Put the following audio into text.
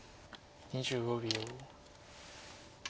２５秒。